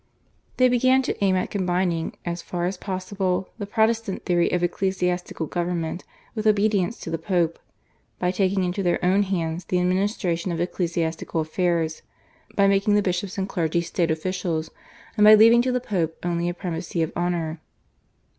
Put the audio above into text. They began to aim at combining, as far as possible, the Protestant theory of ecclesiastical government with obedience to the Pope, by taking into their own hands the administration of ecclesiastical affairs, by making the bishops and clergy state officials, and by leaving to the Pope only a primacy of honour.